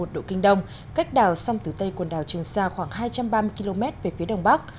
một trăm một mươi sáu một độ kinh đông cách đảo sông tử tây quần đảo trường xa khoảng hai trăm ba mươi km về phía đồng bắc